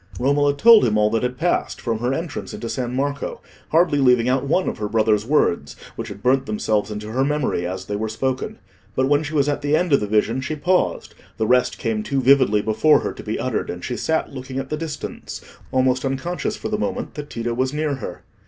Romola told him all that had passed, from her entrance into San Marco, hardly leaving out one of her brother's words, which had burnt themselves into her memory as they were spoken. But when she was at the end of the vision, she paused; the rest came too vividly before her to be uttered, and she sat looking at the distance, almost unconscious for the moment that Tito was near her.